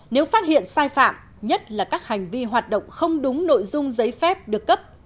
nếu phát hiện sai phạm nhất là các hành vi hoạt động không đúng nội dung giấy phép được cấp